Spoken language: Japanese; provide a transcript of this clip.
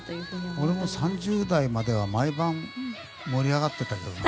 俺も３０代までは毎晩、盛り上がってたけどね。